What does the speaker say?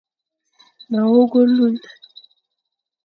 Ma wogh olune.